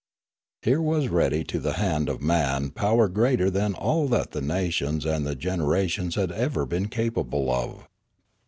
Here was ready to the hand of man power greater than all that the nations and the gen erations had ever been capable of.